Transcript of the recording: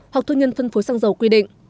hoặc thuê nhân phân phối xăng dầu quy định